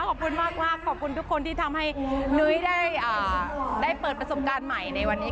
ขอบคุณมากขอบคุณทุกคนที่ทำให้นุ้ยได้เปิดประสบการณ์ใหม่ในวันนี้